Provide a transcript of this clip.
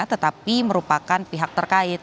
tetapi merupakan pihak terkait